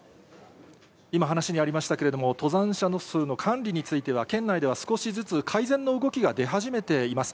今、話にありましたけれども、登山者数の管理については、県内では少しずつ、改善の動きが出始めています。